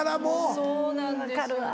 そうなんですよね。